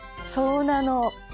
そうなの。